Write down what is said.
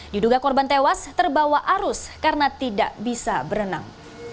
diduga korban tewas terbawa arus karena tidak bisa berenang